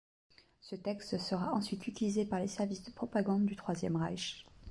Ce texte sera ensuite utilisé par les services de propagande du Troisième Reich.